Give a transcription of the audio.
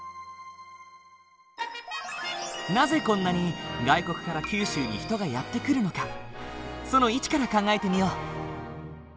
なぜこんなに外国から九州に人がやって来るのかその位置から考えてみよう。